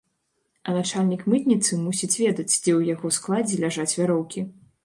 А начальнік мытніцы мусіць ведаць, дзе ў яго складзе ляжаць вяроўкі.